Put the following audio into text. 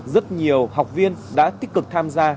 rất nhiều học viên đã tích cực tham gia